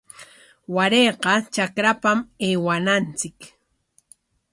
Warayqa trakrapam aywananchik.